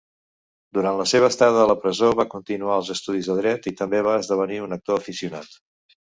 Durant la seva estada a la presó va continuar els estudis de dret, i també va esdevenir un actor aficionat.